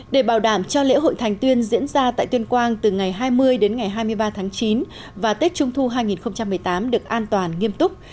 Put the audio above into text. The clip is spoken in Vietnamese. để bảo đảm cho lễ hội thành tuyên diễn ra tại tuyên quang từ ngày hai mươi đến ngày hai mươi ba tháng chín và tết trung thu hai nghìn một mươi tám được an toàn nghiêm túc